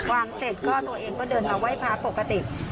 เสร็จก็ตัวเองก็เดินมาไหว้พระปกติ